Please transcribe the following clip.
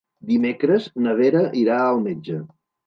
Dimecres na Vera irà al metge.